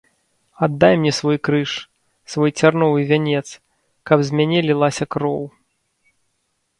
Аддай мне свой крыж, свой цярновы вянец, каб з мяне лілася кроў.